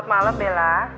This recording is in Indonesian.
selamat malem bela